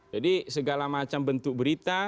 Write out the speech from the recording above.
jadi segala macam bentuk berita